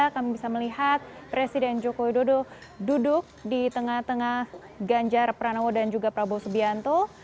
kami bisa melihat presiden joko widodo duduk di tengah tengah ganjar pranowo dan juga prabowo subianto